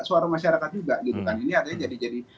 suara masyarakat juga